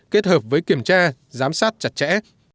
kết hợp với kiểm tra giám sát chặt chẽ